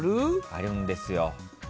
あるんですよ。